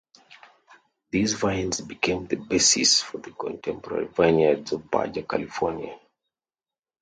These vines became the basis for the contemporary vineyards of Baja California.